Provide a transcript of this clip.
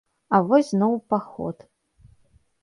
А вось зноў у паход.